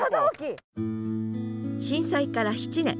震災から７年。